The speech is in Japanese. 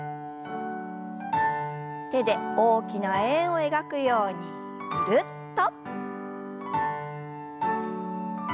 手で大きな円を描くようにぐるっと。